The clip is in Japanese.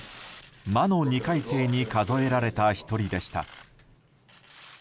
魔の２回生に数えられた１人でした。